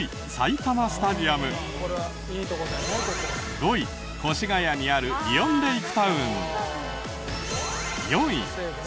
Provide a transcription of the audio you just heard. ５位越谷にあるイオンレイクタウン。